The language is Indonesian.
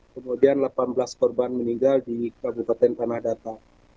kemudian delapan belas korban meninggal di kabupaten tanah data